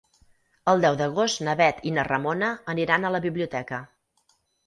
El deu d'agost na Bet i na Ramona aniran a la biblioteca.